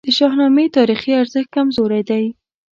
د شاهنامې تاریخي ارزښت کمزوری دی.